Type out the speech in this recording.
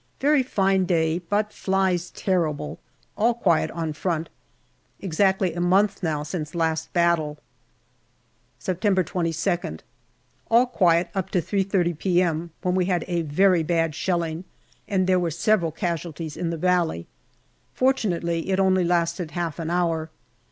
Very fine day, but flies terrible. All quiet on front. Exactly a month now since last battle. September 22nd. All quiet up to 3.30 p.m., when we had a very bad shelling, and there were several casualties in the valley. Fortunately it only lasted half an hour.